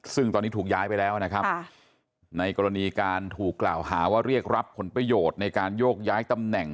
ซึ่งตอนนี้ถูกย้ายไปแล้วนะครับในกรณีการถูกกล่าวหาว่าเรียกรับผลประโยชน์ในการโยกย้ายตำแหน่ง